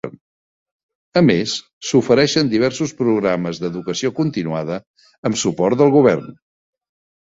A més, s'ofereixen diversos programes d'educació continuada amb suport del govern.